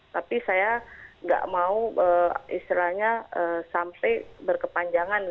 tapi saya nggak mau istilahnya sampai berkepanjangan